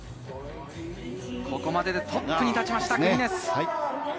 ここまででトップに立ちました、クリネツ。